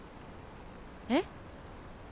えっ？